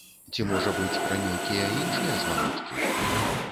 Ці, можа быць, пра нейкія іншыя званочкі?